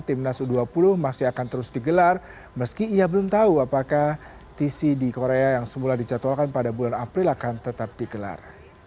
timnas u dua puluh masih akan terus digelar meski ia belum tahu apakah tc di korea yang semula dicatwalkan pada bulan april akan tetap digelar